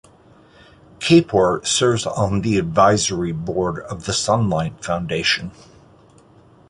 Kapor serves on the advisory board of the Sunlight Foundation.